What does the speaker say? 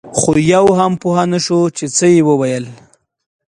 خو یو هم پوی نه شو چې څه یې ووې.